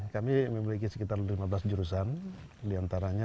kami memiliki sekitar lima belas jurusan diantaranya